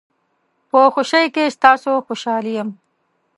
په خوشۍ کې ستاسو خوشحال یم.